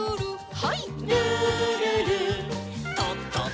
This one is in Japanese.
はい。